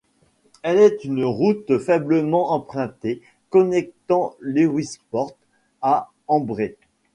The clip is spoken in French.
Elle est une route faiblement empruntée, connectant Lewisporte à Embree.